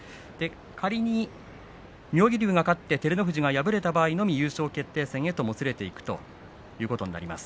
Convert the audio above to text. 仮に妙義龍が勝って照ノ富士が敗れた場合でも優勝決定戦へともつれていきます。